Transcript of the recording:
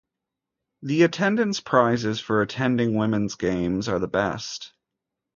The attendance prizes for attending women's games are the best.